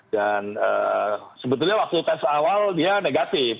dan sebetulnya waktu tes awal dia negatif